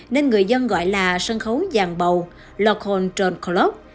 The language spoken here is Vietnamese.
nên người dân gọi là sân khấu giàn bầu lọc hồn trồn khổ lốc